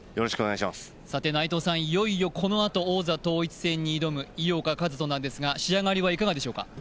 いよいよこのあと王座統一戦に挑む井岡一翔なんですが、仕上がりはいかがでしょうか？